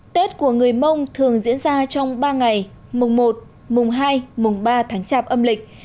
tết của người mông thường diễn ra trong ba ngày mùng một mùng hai mùng ba tháng chạp âm lịch